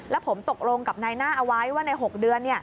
แล้วผมตกลงกับนายหน้าเอาไว้ว่าใน๖เดือน